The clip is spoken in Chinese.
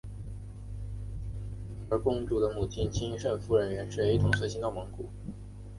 而公主的母亲钦圣夫人袁氏也一同随行到蒙古。